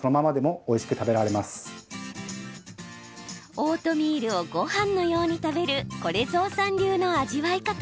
オートミールをごはんのように食べるこれぞうさん流の味わい方。